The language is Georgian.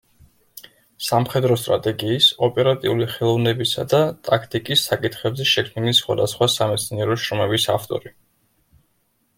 სამხედრო სტრატეგიის, ოპერატიული ხელოვნებისა და ტაქტიკის საკითხებზე შექმნილი სხვადასხვა სამეცნიერო შრომების ავტორი.